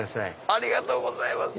ありがとうございます！